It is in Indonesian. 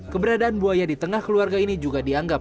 keberadaan buaya di tengah keluarga ini juga dianggap